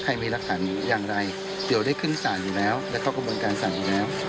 มีรักฐานอย่างไรเดี๋ยวได้ขึ้นศาลอยู่แล้วและเข้ากระบวนการศาลอยู่แล้ว